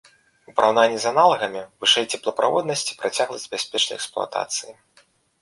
У параўнанні з аналагамі вышэй цеплаправоднасць і працягласць бяспечнай эксплуатацыі.